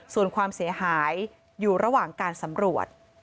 ส่วนความเสียหายอยู่ระหว่างการสำรวจ